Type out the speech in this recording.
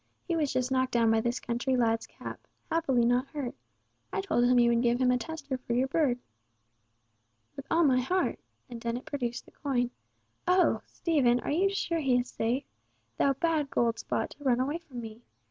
He was just knocked down by this country lad's cap—happily not hurt. I told him you would give him a tester for your bird." "With all my heart!" and Dennet produced the coin. "Oh! Stephen, are you sure he is safe? Thou bad Goldspot, to fly away from me!